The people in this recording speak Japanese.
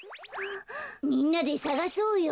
みんなでさがそうよ。